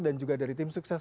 dan juga dari tim sukses